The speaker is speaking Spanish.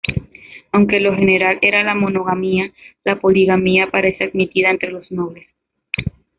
Aunque lo general era la monogamia, la poligamia aparece admitida entre los nobles.